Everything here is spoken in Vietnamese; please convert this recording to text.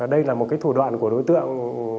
đây là một thủ đoạn của đối tượng